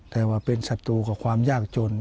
แต่ว่าเป็นศัตรูกับความยากจน